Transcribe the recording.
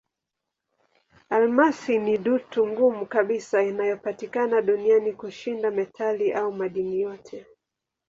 Almasi ni dutu ngumu kabisa inayopatikana duniani kushinda metali au madini yote.